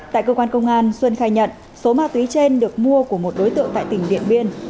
tại cơ quan công an xuân khai nhận số ma túy trên được mua của một đối tượng tại tỉnh điện biên